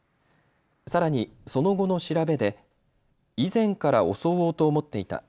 さらにその後の調べで以前から襲おうと思っていた。